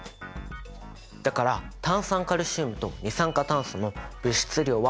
だから炭酸カルシウムと二酸化炭素の物質量は同じ。